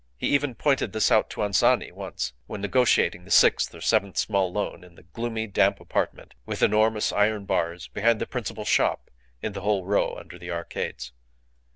He even pointed this out to Anzani once, when negotiating the sixth or seventh small loan in the gloomy, damp apartment with enormous iron bars, behind the principal shop in the whole row under the Arcades.